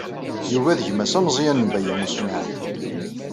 Yuba d gma-s ameẓyan n Baya U Smaɛil.